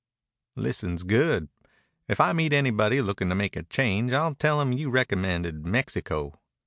"Listens good. If I meet anybody lookin' to make a change I'll tell him you recommended Mexico."